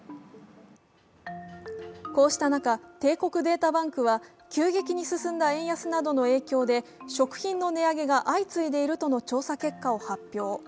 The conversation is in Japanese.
こうした中、帝国データバンクは、急激に進んだ円安などの影響で食品の値上げが相次いでいるとの調査結果を発表。